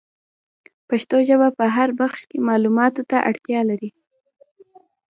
پښتو ژبه په هر بخش کي معلوماتو ته اړتیا لري.